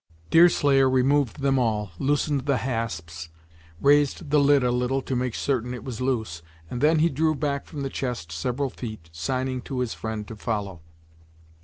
Deerslayer removed them all, loosened the hasps, raised the lid a little to make certain it was loose, and then he drew back from the chest several feet, signing to his friend to follow.